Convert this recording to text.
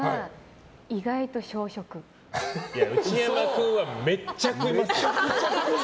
内山君はめっちゃ食いますよ。